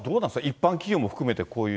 一般企業も含めて、こういう。